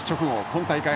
今大会